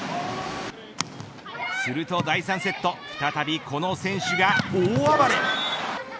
すると第３セット再びこの選手が大暴れ。